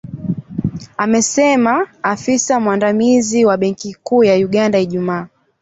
amesema afisa mwandamizi wa benki kuu ya Uganda Ijumaa